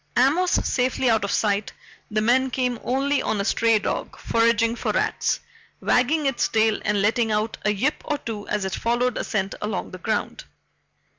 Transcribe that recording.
Amos safely out of sight, the men came only on a stray dog foraging for rats, wagging its tail and letting out a yip or two as it followed a scent along the ground.